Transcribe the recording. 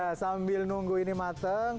nah sambil nunggu ini matang